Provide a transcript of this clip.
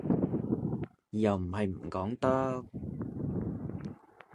又唔係唔講得